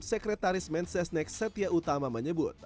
sekretaris mensesnek setia utama menyebut